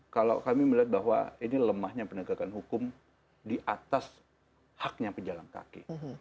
kalau kami melihat bahwa ini lemahnya penegakan hukum di atas haknya pejalan kaki